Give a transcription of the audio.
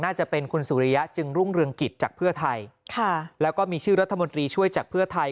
น่าจะเป็นคุณสุริยะจึงรุ่งเรืองกิจจากเพื่อไทยค่ะแล้วก็มีชื่อรัฐมนตรีช่วยจากเพื่อไทย